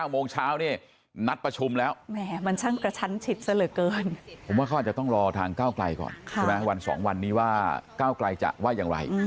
๒๗๙โมงเช้านี่นัดประชุมแล้วแหมมันช่างกระชั้นชิดเสร็จเสร็จเกิน